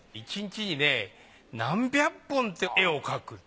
１日に何百本って絵を描く。